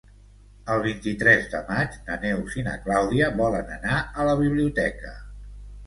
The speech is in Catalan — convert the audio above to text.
El vint-i-tres de maig na Neus i na Clàudia volen anar a la biblioteca.